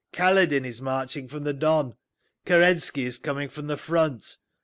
Kaledin is marching from the Don. Kerensky is coming from the front.